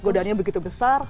godaannya begitu besar